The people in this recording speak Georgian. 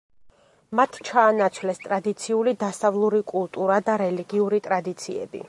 მათ ჩაანაცვლეს ტრადიციული დასავლური კულტურა და რელიგიური ტრადიციები.